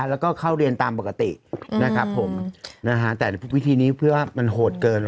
แล้วก็เข้าเรียนตามปกตินะครับผมนะฮะแต่วิธีนี้เพื่อมันโหดเกิน